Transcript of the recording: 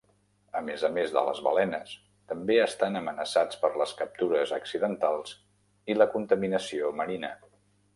A més a més de les balenes, també estan amenaçats per les captures accidentals i la contaminació marina.